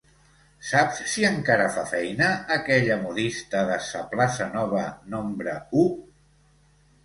Saps si encara fa feina aquella modista de sa plaça nova nombre u?